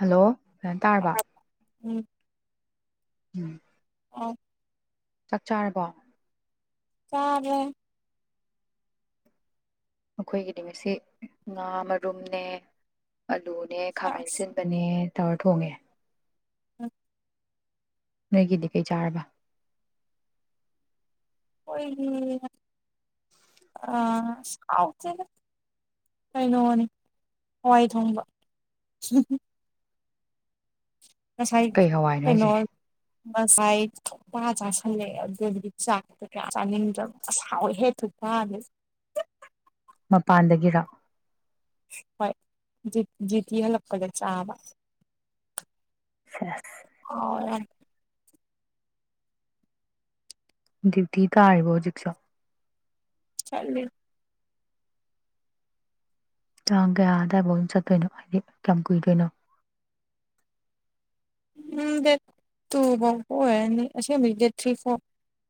hello ꯐꯖꯟ ꯇꯥꯔꯕ ꯎꯝ ꯎꯝ ꯑꯣ ꯆꯥꯛ ꯆꯥꯔꯕ‌ꯣ ꯆꯥꯔꯦ ꯑꯩꯈꯣꯏꯒꯤꯗꯤ ꯉꯁꯤ ꯉꯥ ꯃꯔꯨꯝꯅꯦ ꯑꯂꯨꯅꯦ ꯈꯥꯃꯦꯟ ꯑꯁ ꯑꯁꯤꯟꯕꯅꯦ ꯇꯧꯔ ꯊꯣꯡꯉꯦ ꯑꯣ ꯅꯣꯏꯒꯤꯗꯤ ꯀꯩ ꯆꯥꯔꯕ ꯑꯩꯈꯣꯏꯒꯤ ꯑꯍꯥꯎꯇꯦꯗ ꯀꯩꯅꯣꯅꯤ ꯍꯋꯥꯏ ꯊꯣꯡꯕ ꯉꯁꯥꯏ ꯀꯩ ꯍꯋꯥꯏꯅꯣ ꯀꯩꯅꯣ ꯍꯥꯏꯁꯦ ꯉꯁꯥꯏ ꯊꯨꯛ ꯆꯥꯁꯤꯜꯂꯛꯦ ꯑꯗꯨꯗꯤ ꯆꯥꯛꯇꯣ ꯀꯌꯥ ꯆꯥꯅꯤꯡꯗ꯭ꯔꯕ ꯍꯥꯎꯋꯤ ꯍꯦ ꯊꯨꯛ ꯕꯣꯔꯥꯗꯤ ꯃꯄꯥꯟꯗꯒꯤꯔꯥ ꯍꯣꯏ ꯖꯤ ꯖꯤꯇꯤ ꯍꯜꯂꯛꯄꯗ ꯆꯥꯕ ꯁꯦꯁ ꯑꯥꯎꯋꯦ ꯗꯨꯢꯇꯤ ꯇꯔꯤꯕꯣꯍꯧꯖꯤꯛꯁꯣ ꯆꯠꯂꯤ ꯇꯥꯡ ꯀꯌꯥ ꯑꯗꯥꯢꯕꯧ ꯆꯠꯇꯣꯢꯅꯣ ꯍꯥꯏꯗꯤ ꯀꯌꯥꯝ ꯀꯨꯏꯗꯣꯏꯅꯣ ꯎꯝ ꯗꯦꯠ ꯇꯨ ꯐꯥꯎ ꯑꯣꯏꯔꯅꯤ ꯑꯁꯦꯡꯕꯩ ꯗꯦꯠ ꯊ꯭ꯔꯤ ꯐꯥꯎ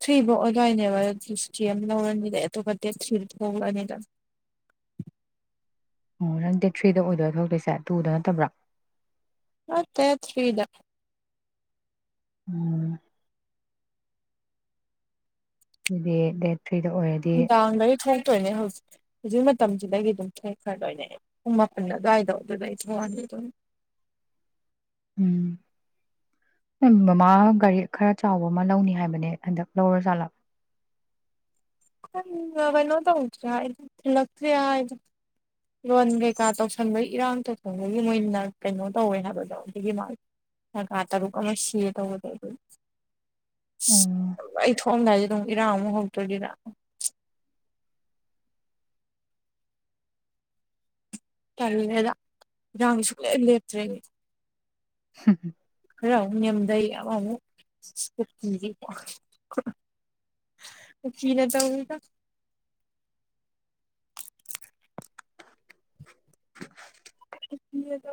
ꯊ꯭ꯔꯤ ꯐꯧ ꯑꯣꯏꯗꯣꯏꯅꯦꯕ ꯐꯇꯤ ꯑꯃ ꯂꯧꯔꯅꯤꯗ ꯑꯇꯣꯞꯄ ꯗꯦꯠ ꯊ꯭ꯔꯤꯗ ꯊꯣꯛꯂꯅꯤꯗ ꯑꯣ ꯅꯪ ꯗꯦꯠ ꯊ꯭ꯔꯤꯗ ꯑꯣꯏꯗꯣꯏ ꯊꯣꯛꯂꯛꯇꯣꯏꯁꯦ ꯇꯨꯗ ꯅꯠꯇꯕ꯭ꯔꯥ ꯅꯠꯇꯦ ꯊ꯭ꯔꯤꯗ ꯎꯝ ꯑꯗꯨꯗꯤ ꯗꯦꯠ ꯊ꯭ꯔꯤꯗ ꯑꯣꯏꯔꯗꯤ ꯎꯗꯥꯥꯡ ꯃꯔꯤꯊꯣꯏ ꯆꯠꯇꯣꯏꯅꯦ ꯍꯧꯖꯤꯛ ꯍꯧꯖꯤꯛ ꯃꯇꯝꯁꯤꯗꯒꯤ ꯑꯗꯨꯝ ꯐꯦꯛ ꯈ꯭ꯔꯗꯣꯏꯅꯦ ꯄꯨꯡ ꯃꯥꯄꯜ ꯑꯗꯨꯋꯥꯏꯗꯣ ꯑꯗꯨꯗꯩ ꯊꯣꯑꯅꯤ ꯑꯗꯨꯝ ꯎꯝ ꯃꯃꯥ ꯒꯥꯔꯤ ꯈꯔ ꯆꯥꯎꯕ ꯑꯃ ꯂꯧꯅꯤ ꯍꯥꯏꯕꯅꯦ ꯍꯟꯗꯛ ꯂꯧꯔ ꯖꯥꯠꯂꯣ ꯀꯩꯅꯣ ꯇꯧꯗ꯭ꯔꯤ ꯍꯥꯏꯗ ꯊꯤꯜꯂꯛꯇ꯭ꯔꯤ ꯍꯥꯏꯗ ꯂꯣꯟ ꯀꯩꯀꯥ ꯇꯧꯁꯟꯕꯩꯒꯤ ꯏꯔꯥꯡ ꯇꯧꯁꯟꯕꯒꯤ ꯃꯣꯏꯅ ꯀꯩꯅꯣ ꯇꯧꯋꯦ ꯍꯥꯏꯕꯗꯣ ꯑꯗꯨꯒꯤ ꯅꯥꯒꯥ ꯇꯔꯨꯛ ꯑꯃ ꯁꯤꯌꯦ ꯇꯧꯕꯗꯣ ꯑꯗꯨꯒꯤ ꯎꯝ ꯑꯩ ꯊ ꯊꯣꯛꯑꯝꯗꯥꯏꯗ ꯑꯗꯨꯝ ꯏꯔꯥꯡ ꯑꯃꯨꯛ ꯍꯧꯔꯛꯇꯣꯏꯗꯤ ꯏꯔꯥ ꯇꯜꯂꯦꯗ ꯏꯔꯥꯡꯁꯦ ꯁꯨꯡꯂꯦꯞ ꯂꯦꯞꯇ꯭ꯔꯦ ꯍꯝ ꯈꯔ ꯑꯃꯨꯛ ꯅꯦꯝꯗꯩ ꯑꯃꯃꯨꯛ ꯄꯨꯁꯤ ꯀꯨꯀꯤ ꯇꯧꯔꯤꯗ ꯏꯗ [inaudible]